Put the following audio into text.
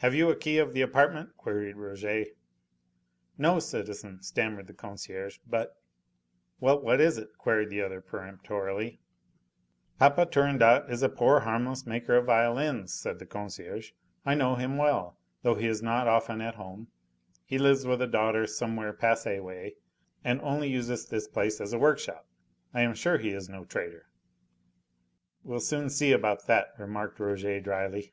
"Have you a key of the apartment?" queried Rouget. "No, citizen," stammered the concierge, "but " "Well, what is it?" queried the other peremptorily. "Papa Turandot is a poor, harmless maker of volins," said the concierge. "I know him well, though he is not often at home. He lives with a daughter somewhere Passy way, and only uses this place as a workshop. I am sure he is no traitor." "We'll soon see about that," remarked Rouget dryly.